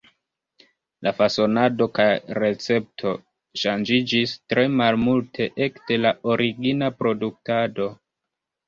La fasonado kaj recepto ŝanĝiĝis tre malmulte ekde la origina produktado.